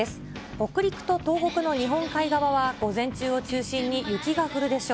北陸と東北の日本海側は午前中を中心に雪が降るでしょう。